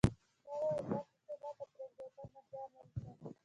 ما وویل دا کښتۍ ما ته پرېږده او ته ماهیان ونیسه.